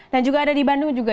dan juga ada di bandung juga